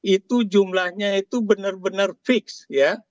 itu jumlahnya itu benar benar fix ya